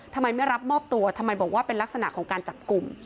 ทำไมไม่รับมอบตัวทำไมบอกว่าเป็นลักษณะของการจับกลุ่ม